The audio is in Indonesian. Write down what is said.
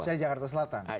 saya di jakarta selatan